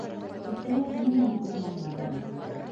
Иртәгә һинең менән урманға барырбыҙ.